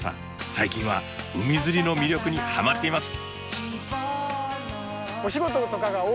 最近は海釣りの魅力にはまっています。